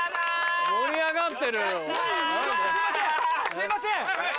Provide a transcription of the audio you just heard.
すいません！